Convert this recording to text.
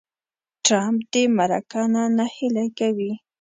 ټرمپ دې مرکه نه نهیلې کوي.